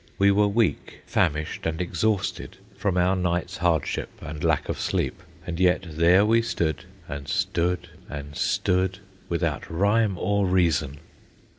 We were weak, famished, and exhausted from our night's hardship and lack of sleep, and yet there we stood, and stood, and stood, without rhyme or reason.